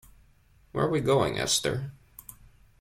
Where are we going, Esther?